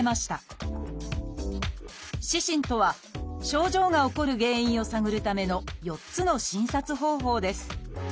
「四診」とは症状が起こる原因を探るための４つの診察方法です。